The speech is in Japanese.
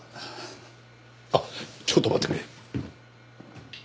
あっちょっと待ってくれ。